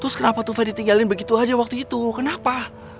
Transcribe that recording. tuh kenapa tufa ditinggalin begitu aja waktu itu kenapa